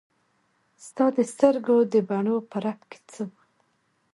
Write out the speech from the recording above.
ستا د سترګو د بڼو په رپ کې څه وو.